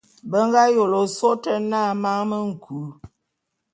Be nga yôle ôsôé ôte na Man me nku.